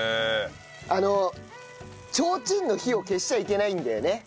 あの提灯の火を消しちゃいけないんだよね。